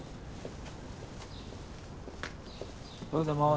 おはようございます。